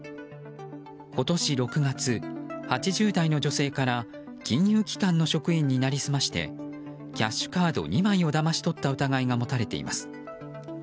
今年６月、８０代の女性から金融機関の職員に成り済ましてキャッシュカード２枚をだまし取った疑いが持たれています。